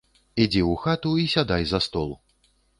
Ідзі ў хату і сядай за стол.